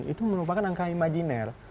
itu merupakan angka imajiner